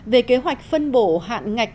về kế hoạch phân bổ hạn ngạch